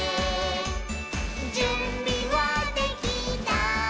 「じゅんびはできた？